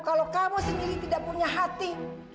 kalau kamu sendiri tidak punya hati